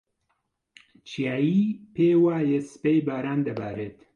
چیایی پێی وایە سبەی باران دەبارێت.